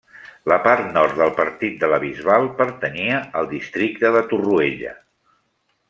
La part nord del partit de la Bisbal pertanyia al districte de Torroella.